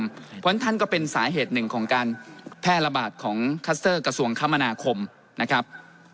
เพราะฉะนั้นท่านก็เป็นสาเหตุหนึ่งของการแพร่ระบาดของคัสเตอร์กระทรวงคมนาคมนะครับ